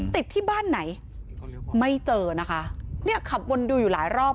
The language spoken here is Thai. ติดที่บ้านไหนไม่เจอนะคะเนี่ยขับวนดูอยู่หลายรอบ